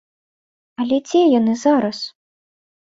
Але дзе яны зараз?